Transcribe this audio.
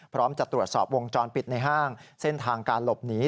พร้อมจะตรวจสอบวงจรปิดในห้างเส้นทางการหลบหนี